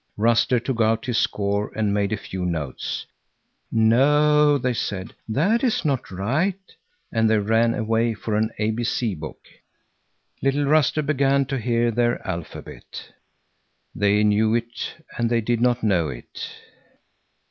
Ruster took out his score and made a few notes. "No," they said, "that is not right." And they ran away for an A B C book. Little Ruster began to hear their alphabet. They knew it and they did not know it.